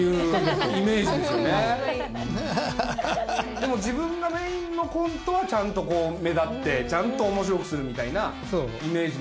でも自分がメインのコントはちゃんとこう目立ってちゃんと面白くするみたいなイメージもありますし。